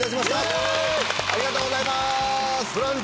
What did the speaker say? イエーイありがとうございます